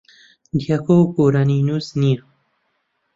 دیاکۆ گۆرانینووس نییە.